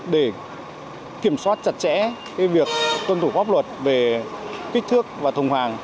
để kiểm soát chặt chẽ việc tuân thủ pháp luật về kích thước và thùng hàng